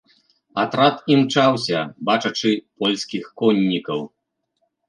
Атрад імчаўся, бачачы польскіх коннікаў.